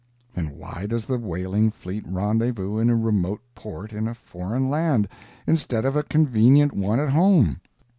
Then why does the whaling fleet rendezvous in a remote port in a foreign land, instead of a convenient one at home?